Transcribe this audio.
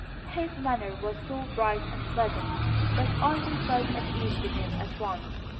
His manner was so bright and pleasant that Arthur felt at ease with him at once.